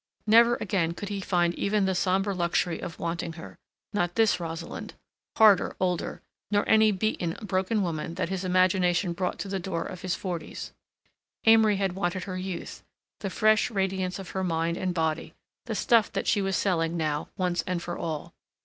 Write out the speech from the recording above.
Never again could he find even the sombre luxury of wanting her—not this Rosalind, harder, older—nor any beaten, broken woman that his imagination brought to the door of his forties—Amory had wanted her youth, the fresh radiance of her mind and body, the stuff that she was selling now once and for all.